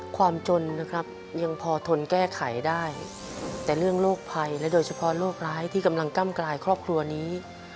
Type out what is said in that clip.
ความจนนะครับยังพอทนแก้ไขได้แต่เรื่องโรคภัยและโดยเฉพาะโรคร้ายที่กำลังก้ำกลายครอบครัวนี้